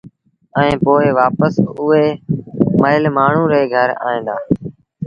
ائيٚݩ پو وآپس اُئي مئيٚل مآڻهوٚٚݩ ري گھر ائيٚݩ دآ